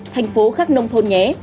thành phố khác nông thôn nhé